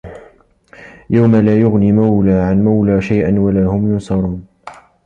يَومَ لا يُغني مَولًى عَن مَولًى شَيئًا وَلا هُم يُنصَرونَ